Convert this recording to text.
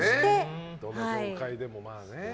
どの業界でも、まあね。